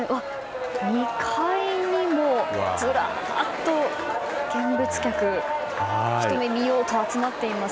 ２階にもずらっと見物客ひと目見ようと集まっています。